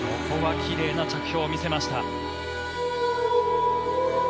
ここは奇麗な着氷を見せました。